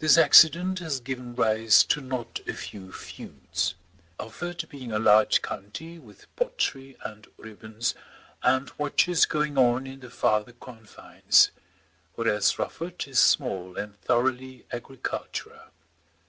This accident has given rise to not a few feuds, Ufford being a large county, with pottery, and ribbons, and watches going on in the farther confines; whereas Rufford is small and thoroughly agricultural.